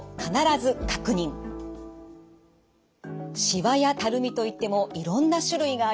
しわやたるみといってもいろんな種類があります。